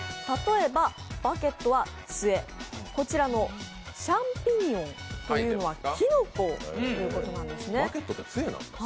例えばバゲットはつえ、こちらのシャンピニオンというのはきのこということなんですね。